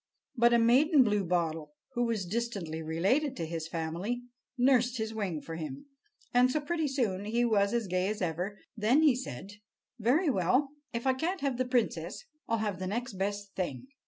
But a maiden bluebottle, who was distantly related to his family, nursed his wing for him, and so pretty soon he was as gay as ever. Then he said: "Very well, if I can't have the princess, I'll have the next best thing."